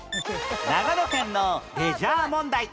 長野県のレジャー問題